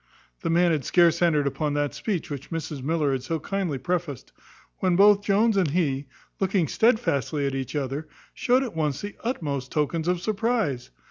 The man had scarce entered upon that speech which Mrs Miller had so kindly prefaced, when both Jones and he, looking stedfastly at each other, showed at once the utmost tokens of surprize.